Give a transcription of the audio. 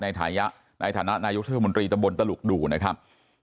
ในฐานะนายกเทศมนตรีตะบนตะลุกดูนะครับ